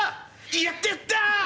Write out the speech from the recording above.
やったやった！